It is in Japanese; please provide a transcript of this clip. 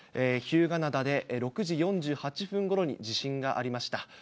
日向灘で６時４８分ごろに地震がありました。